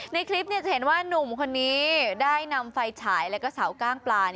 ในคลิปจะเห็นว่านุ่มคนนี้ได้นำไฟฉายแล้วก็เสากล้างปลา